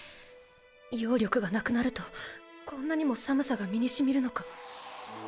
妖力がなくなるとこんなにも寒さが身に染みるのか。